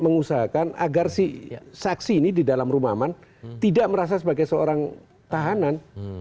mengusahakan agar si saksi ini di dalam rumah aman tidak merasa sebagai seorang tahanan